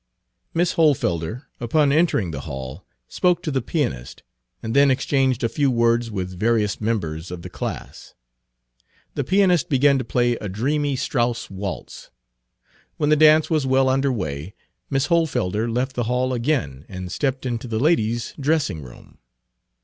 Miss Hohlfelder, upon entering the hall, spoke to the pianist and then exchanged a few words with various members of the class. The pianist began to play a dreamy Strauss waltz. When the dance was well under way Miss Hohlfelder left the hall again and stepped into the ladies' dressing room.